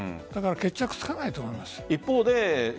決着がつかないと思います。